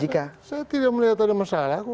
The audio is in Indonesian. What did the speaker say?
saya tidak melihat ada masalah